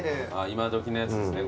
今どきのやつですね。